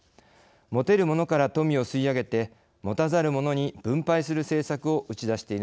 持てる者から富を吸い上げて持たざる者に分配する政策を打ち出しているのです。